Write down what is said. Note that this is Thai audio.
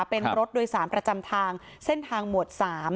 เป็นรถโดยสารประจำทางเส้นทางหมวด๓